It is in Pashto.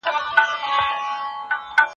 باغچه د غلام په نوم شوه.